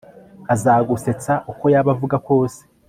azagusetsa uko yaba avuga kose